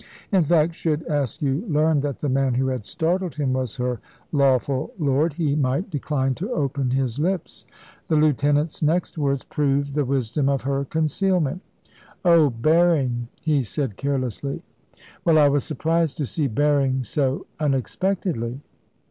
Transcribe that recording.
In fact, should Askew learn that the man who had startled him was her lawful lord, he might decline to open his lips. The lieutenant's next words proved the wisdom of her concealment. "Oh, Berring," he said, carelessly. "Well, I was surprised to see Berring so unexpectedly."